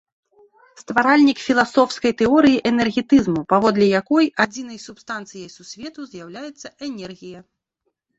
Стваральнік філасофскай тэорыі энергетызму, паводле якой адзінай субстанцыяй сусвету з'яўляецца энергія.